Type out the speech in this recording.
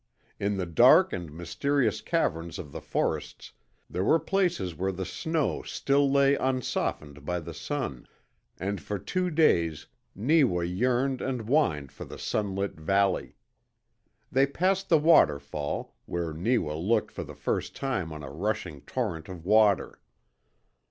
In the dark and mysterious caverns of the forests there were places where the snow still lay unsoftened by the sun, and for two days Neewa yearned and whined for the sunlit valley. They passed the waterfall, where Neewa looked for the first tune on a rushing torrent of water.